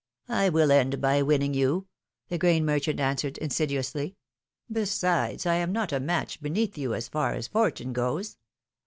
"I will end by winning you," the grain merchant answered, insidiously ;" besides, I am not a match beneath you, as far as fortune goes.